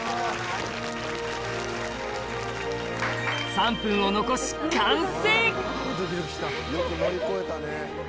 ３分を残し完成！